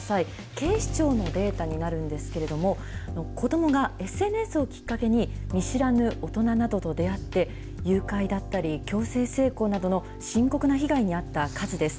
警視庁のデータになるんですけれども、子どもがＳＮＳをきっかけに見知らぬ大人などと出会って、誘拐だったり、強制性交などの深刻な被害に遭った数です。